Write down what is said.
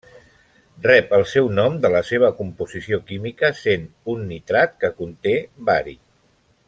Rep el seu nom de la seva composició química, sent un nitrat que conté bari.